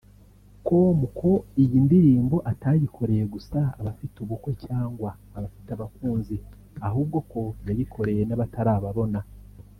com ko iyi ndirimbo atayikoreye gusa abafite ubukwe cyangwa abafite abakunzi ahubwo ko yayikoreye n'abatarababona